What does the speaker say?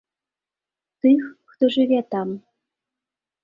Тых, хто жыве там.